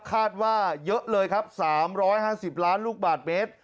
คาดว่าเยอะเลยครับ๓๕๐ล้านลูกบาทเมตร